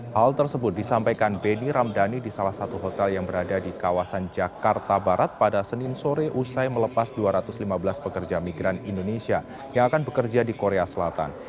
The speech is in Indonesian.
hal tersebut disampaikan benny ramdhani di salah satu hotel yang berada di kawasan jakarta barat pada senin sore usai melepas dua ratus lima belas pekerja migran indonesia yang akan bekerja di korea selatan